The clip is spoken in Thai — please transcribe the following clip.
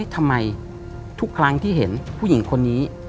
ทำไมทุกครั้งที่เห็นผู้หญิงคนนี้